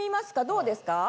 どうですか？